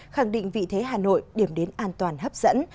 khẳng định vị thế hà nội điểm đến an toàn hấp dẫn